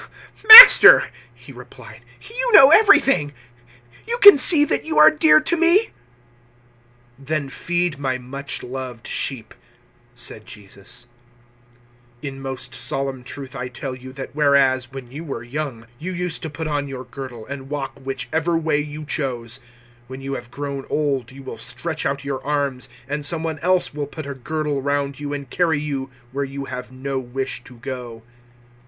"Master," he replied, "you know everything, you can see that you are dear to me." "Then feed my much loved sheep," said Jesus. 021:018 "In most solemn truth I tell you that whereas, when you were young, you used to put on your girdle and walk whichever way you chose, when you have grown old you will stretch out your arms and some one else will put a girdle round you and carry you where you have no wish to go."